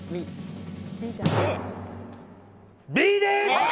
Ｂです！